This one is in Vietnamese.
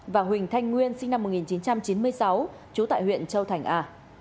và huỳnh thanh nguyên sinh năm một nghìn chín trăm chín mươi sáu trú tại huyện châu thành a